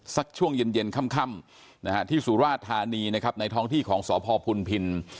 สักช่วงเย็นค่ำที่สุราธารณีในท้องที่ของสพพิล